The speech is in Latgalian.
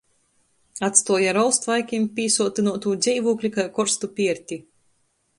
Atstuoja ar ols tvaikim pīsuotynuotū dzeivūkli kai korstu pierti.